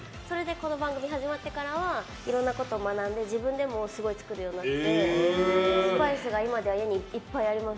この番組が始まってからはいろんなことを学んで自分でも作るようになってスパイスが今では家にいっぱいあります。